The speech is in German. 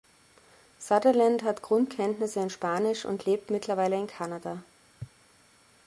Sutherland hat Grundkenntnisse in Spanisch und lebt mittlerweile in Kanada.